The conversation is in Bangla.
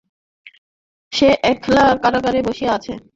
সে একলা কারাগারে বসিয়া আছে?